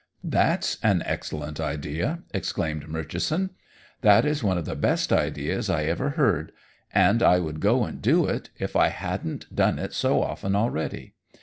"That's an excellent idea!" exclaimed Murchison. "That is one of the best ideas I ever heard, and I would go and do it if I hadn't done it so often already.